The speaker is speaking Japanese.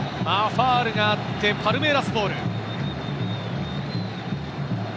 ファウルがあってパルメイラスボール。